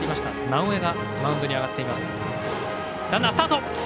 直江がマウンドに上がっています。